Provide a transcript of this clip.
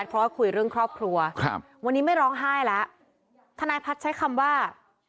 เพราะว่าคุยเรื่องครอบครัวครับวันนี้ไม่ร้องไห้แล้วทนายพัฒน์ใช้คำว่า